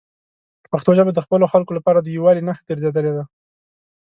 پښتو ژبه د خپلو خلکو لپاره د یووالي نښه ګرځېدلې ده.